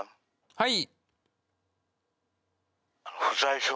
はい。